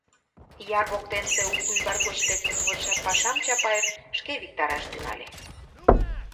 Яр воктенсе у кӱвар гоч лектын вочшаш пашам Чапаев шке виктараш тӱҥале.